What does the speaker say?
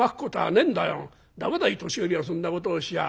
駄目だいい年寄りがそんなことをしちゃ。